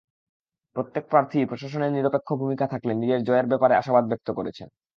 প্রত্যেক প্রার্থীই প্রশাসনের নিরপেক্ষ ভূমিকা থাকলে নিজের জয়ের ব্যাপারে আশাবাদ ব্যক্ত করেছেন।